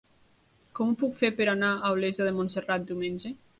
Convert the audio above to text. Com ho puc fer per anar a Olesa de Montserrat diumenge?